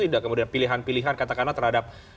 tidak kemudian pilihan pilihan katakanlah terhadap